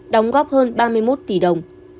đóng góp hơn ba mươi một tỷ đồng